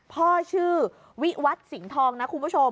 พ่อชื่อวิวัฒน์สิงห์ทองนะคุณผู้ชม